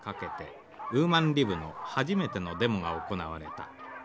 「ウーマンリブの初めてのデモが行われた。